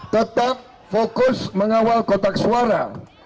tetap fokus mengawal kotak suara